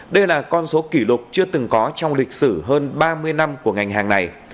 đây là con số kỷ lục chưa từng có trong lịch sử hơn ba mươi năm của ngành hàng này